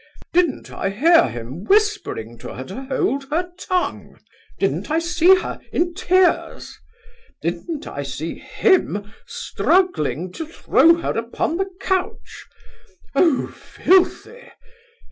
Did'n't I hear him whispering to her to hold her tongue? Did'n't I see her in tears? Did'n't I see him struggling to throw her upon the couch? 0 filthy!